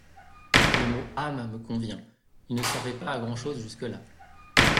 Le mot âme me convient, il ne servait pas à grand-chose jusque-là.